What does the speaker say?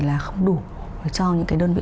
là không đủ cho những cái đơn vị